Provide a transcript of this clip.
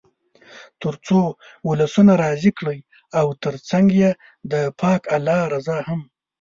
تر څو ولسونه راضي کړئ او تر څنګ یې د پاک الله رضا هم.